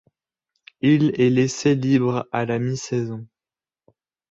Il est laissé libre a la mi saison.